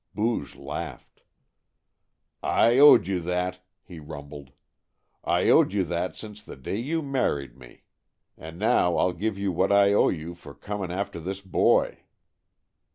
Booge laughed. "I owed you that," he rumbled. "I owed you that since the day you married me. And now I'll give you what I owe you for coming after this boy."